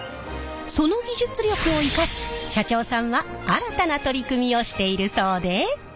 その技術力を生かし社長さんは新たな取り組みをしているそうで。